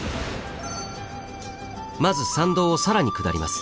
まず参道を更に下ります。